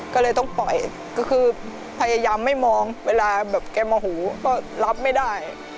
ก็เลยต้องปล่อยก็คือพยายามไม่มองเวลาแบบแกโมโหก็รับไม่ได้